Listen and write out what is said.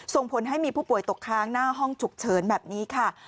ส่งผลให้มีผู้ป่วยตกค้างหน้าห้องฉุกเฉินแบบนี้ค่ะ